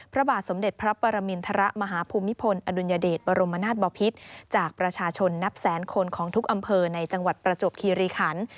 พระบาทสมเด็จพระปรมินทรมาฮภูมิพลอดุลยเดชบรมนาศบอพิษจากประชาชนนับแสนคนของทุกอำเภอในจังหวัดประจวบคีรีคัน